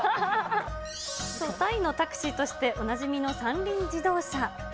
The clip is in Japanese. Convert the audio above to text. そう、タイのタクシーとしておなじみの三輪自動車。